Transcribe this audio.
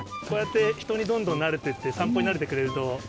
こうやって人にどんどんなれてって散歩に慣れてくれると。